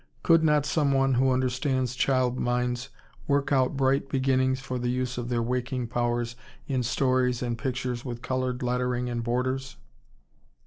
Could not some one who understands child minds work out bright beginnings for the use of their waking powers in stories and pictures with colored lettering and borders?